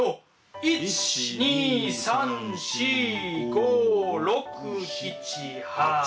１２３４５６７８。